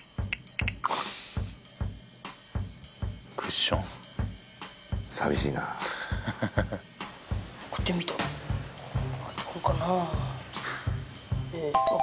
クッション寂しいな送ってみた返ってくるかなあっ